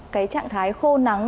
cái trạng thái khô nắng